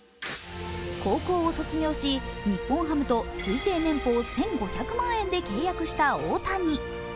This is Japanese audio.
高校を卒業し、日本ハムと推定年俸１５００万円で契約した大谷。